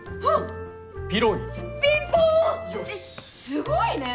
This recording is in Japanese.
すごいね。